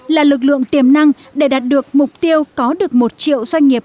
là lực lượng tiềm năng để đạt được mục tiêu có được một triệu doanh nghiệp